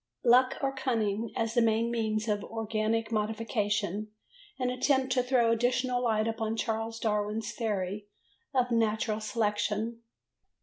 Luck or Cunning as the main means of Organic Modification? An attempt to throw additional light upon Charles Darwin's theory of Natural Selection.